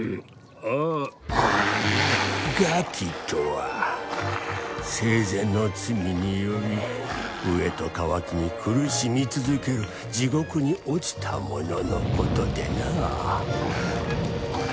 餓鬼とは生前の罪により飢えと渇きに苦しみ続ける地獄に落ちた者の事でな